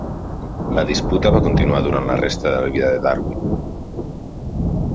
La disputa va continuar durant la resta de la vida de Darwin.